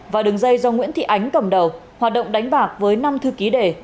và đường dây do nguyễn thị ánh cầm đầu hoạt động đánh bạc với năm thư ký đề